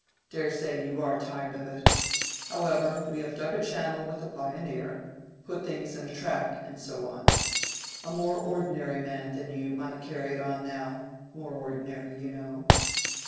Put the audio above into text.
dare say you are tired of it. However, we have dug a channel with the 'Pioneer'—put things in a track, and so on. A more ordinary man than you might carry it on now—more ordinary, you know."